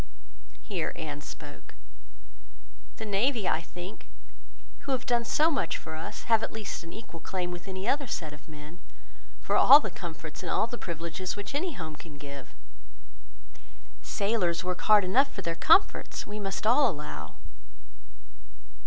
Here Anne spoke— "The navy, I think, who have done so much for us, have at least an equal claim with any other set of men, for all the comforts and all the privileges which any home can give. Sailors work hard enough for their comforts, we must all allow."